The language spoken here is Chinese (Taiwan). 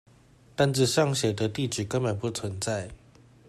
單子上寫的地址根本不存在